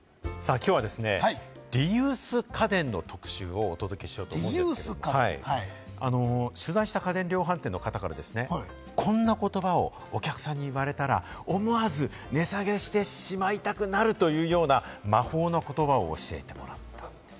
きょうはですね、リユース家電の特集、お届けしようと思うんですが、取材した家電量販店の方から、こんな言葉をお客さんに言われたら、思わず値下げしてしまいたくなるというような魔法の言葉を教えてもらったんですよ。